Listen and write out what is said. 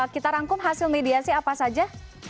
kita rangkum hasil mediasi apa saja